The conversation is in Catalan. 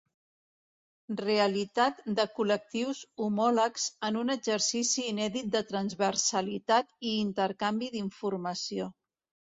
Realitat de col·lectius homòlegs en un exercici inèdit de transversalitat i intercanvi d’informació.